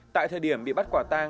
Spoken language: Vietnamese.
tại thời điểm bị bắt quả tàng